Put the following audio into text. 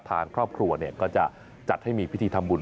ทางครอบครัวก็จะจัดให้มีพิธีทำบุญ